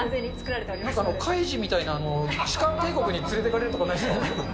なんか、カイジみたいな地下帝国に連れていかれるとかないですか？